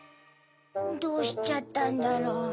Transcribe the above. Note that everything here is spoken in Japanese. どうしちゃったんだろう？